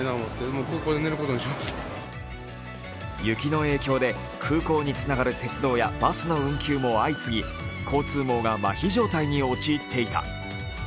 雪の影響で空港につながる鉄道やバスの運休も相次ぎ、交通網がまひ状態に陥っていた。